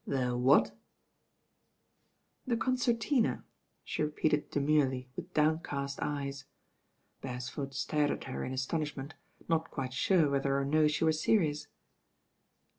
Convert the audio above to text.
"The what?" "The concertina, she repeated demurely with downcast eyes. Beresford stared at her in astonishment, not quite sure whether or no she were serious.